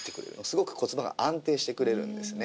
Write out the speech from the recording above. すごく骨盤が安定してくれるんですね。